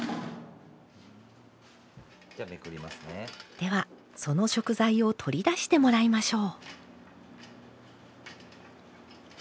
ではその食材を取り出してもらいましょう。